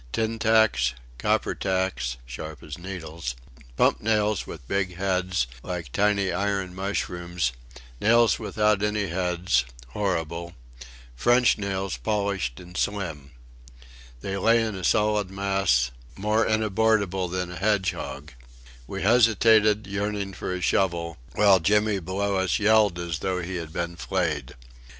Tin tacks, copper tacks (sharp as needles); pump nails with big heads, like tiny iron mushrooms; nails without any heads (horrible); French nails polished and slim. They lay in a solid mass more inabordable than a hedgehog. We hesitated, yearning for a shovel, while Jimmy below us yelled as though he had been flayed.